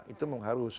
itu memang harus